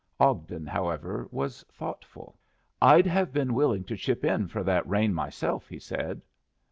Ogden, however, was thoughtful. "I'd have been willing to chip in for that rain myself," he said.